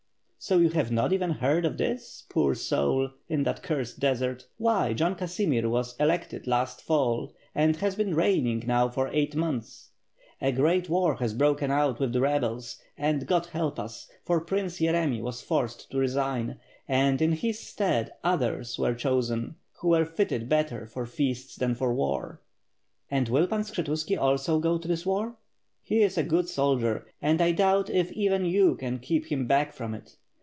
"So you have not even heard of this, poor soul, in that cursed desert?" Why John Casimir was elected last Fall and has been reigning now for eight months. A great war has broken out with the rebels, and God help us! for Prince Yeremy was forced to resign, and in hie stead others were chosen, who were fitted better for feasts than for war." "And will Pan Skshetuski also go to this war?" "He is a good soldier, and I doubt if even you can keep him back from it.